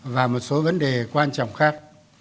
và một số vấn đề quan trọng khác